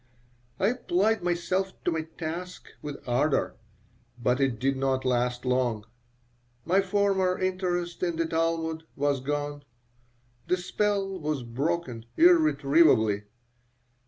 I applied myself to my task with ardor, but it did not last long. My former interest in the Talmud was gone. The spell was broken irretrievably.